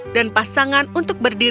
dan pasangan untuk berdiri